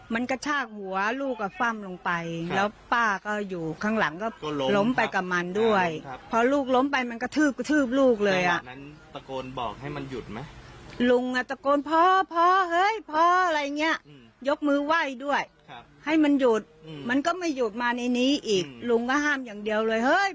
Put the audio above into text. มันกระชากหัวลูกก็ฟัมลงไปแล้วป้าก็อยู่ข้างหลังก็ล้มไปกับมันด้วย